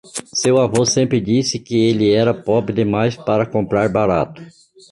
Seu avô sempre disse que ele era pobre demais para comprar barato.